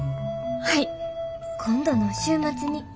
はい今度の週末に。